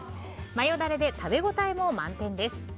マヨダレで食べ応えも満点です。